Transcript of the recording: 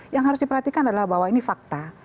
yang harus diperhatikan adalah bahwa ini fakta